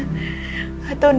sama tu ten